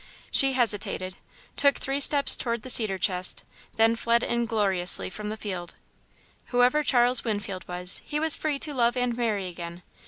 She hesitated, took three steps toward the cedar chest, then fled ingloriously from the field. Whoever Charles Winfeld was, he was free to love and marry again.